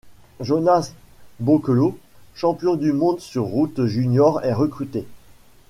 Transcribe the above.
Jonas Bokeloh, champion du monde sur route juniors, est recruté.